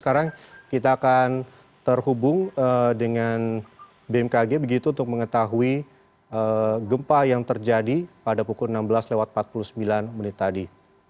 sekarang kita akan terhubung dengan bmkg begitu untuk mengetahui gempa yang terjadi pada pukul enam belas lewat empat puluh sembilan menit tadi